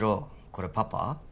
これパパ？